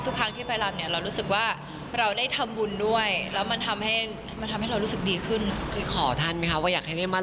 ทุกปีอะไรอย่างเงี้ย